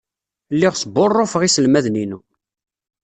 Lliɣ sbuṛṛufeɣ iselmaden-inu.